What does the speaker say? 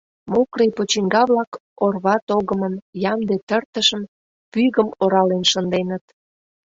Мокрый почиҥга-влак орва тогымым, ямде тыртышым, пӱгым орален шынденыт.